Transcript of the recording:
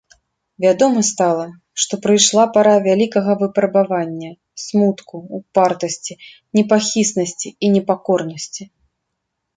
Вядома стала, што прыйшла пара вялікага выпрабавання, смутку, упартасці, непахіснасці і непакорнасці.